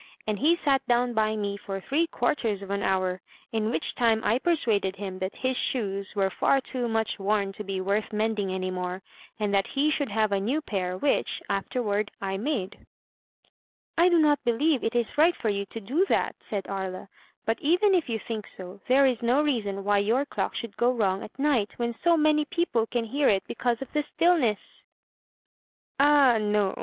And he sat down by me for three quarters of an hour, in which time I persuaded him that his shoes were far too much worn to be worth mending any more, and that he should have a new pair, which, afterward, I made." "I do not believe it is right for you to do that," said Aria; "but even if you think so, there is no reason why your clock should go wrong at night, when so many people can hear it be cause of the stillness." "Ah, no!"